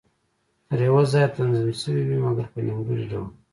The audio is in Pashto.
تر یوه ځایه تنظیم شوې وې، مګر په نیمګړي ډول.